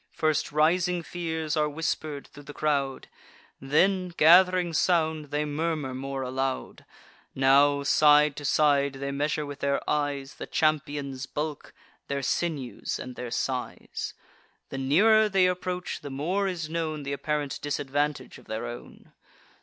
First rising fears are whisper'd thro' the crowd; Then, gath'ring sound, they murmur more aloud. Now, side to side, they measure with their eyes The champions' bulk, their sinews, and their size: The nearer they approach, the more is known Th' apparent disadvantage of their own.